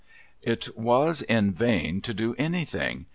It was in vain to do anything.